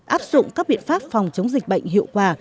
áp dụng các biện pháp phòng chống dịch bệnh hiệu quả